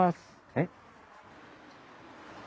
えっ？